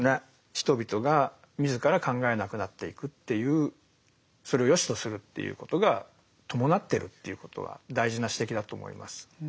人々が自ら考えなくなっていくっていうそれをよしとするっていうことが伴ってるっていうことは大事な指摘だと思います。